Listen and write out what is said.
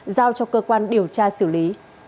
giao cho cơ quan điều tra xử lý